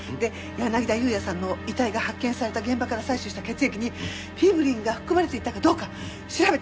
柳田裕也さんの遺体が発見された現場から採取した血液にフィブリンが含まれていたかどうか調べてもらって。